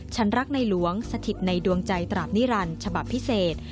ฉันรักในหลวงสถิตในดวงใจตราบนิรันดิ์ฉบับพิเศษ